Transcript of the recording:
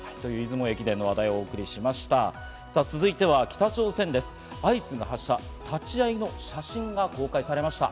出雲駅伝の話題をお送りしました。